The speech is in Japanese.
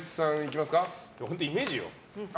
本当、イメージよ。